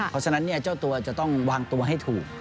เพราะฉะนั้นเจ้าตัวจะต้องวางตัวให้ถูก